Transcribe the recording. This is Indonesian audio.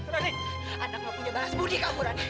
rani anakmu punya balas budi kamu rani